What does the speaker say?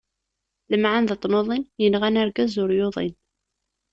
Lemɛenda n tnuḍin, yenɣan argaz ur yuḍin.